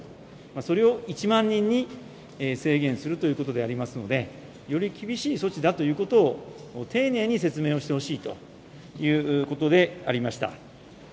それを１万人に制限するということでありますので、より厳しい措置だということを、丁寧に説明をしてほしいということでありました。